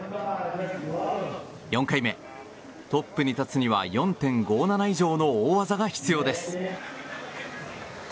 ４回目、トップに立つには４．５７以上の大技が必要です。